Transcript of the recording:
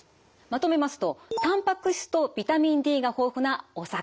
まとめますとたんぱく質とビタミンＤが豊富なお魚。